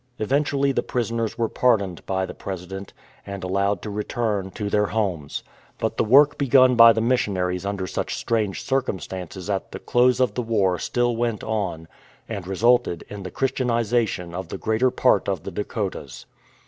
Eventually the prisoners were pardoned by the President and allowed to return to 224 A TRANSFORMATION their homes. But the work began by the missionaries under such strange circumstances at the close of the war still went on, and resulted in the Christian ization of the greater part of the Dakotas.